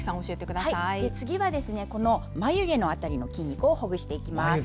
次は、眉毛の辺りの筋肉ほぐしていきます。